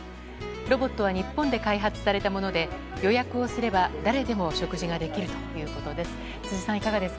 ロボットは日本で開発されたもので予約をすれば誰でも利用できるということです。